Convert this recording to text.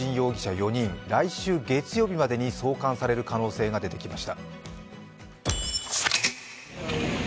４人、来週月曜日までに送還される可能性が出てきました。